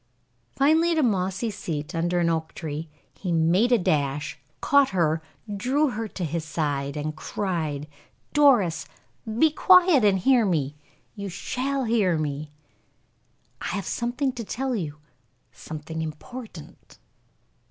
Finally, at a mossy seat under an oak tree, he made a dash, caught her, drew her to his side, and cried: "Doris, be quiet and hear me; you shall hear me; I have something to tell you something important."